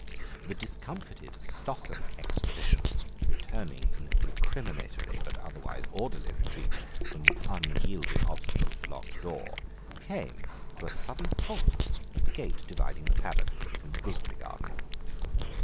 The discomfited Stossen expedition, returning in recriminatory but otherwise orderly retreat from the unyielding obstacle of the locked door, came to a sudden halt at the gate dividing the paddock from the gooseberry garden.